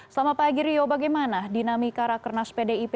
selamat pagi rio bagaimana dinamika rakernas pdip